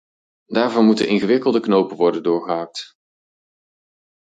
Daarvoor moeten ingewikkelde knopen worden doorgehakt.